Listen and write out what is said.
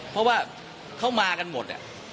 เพราะว่าเขามากันหมด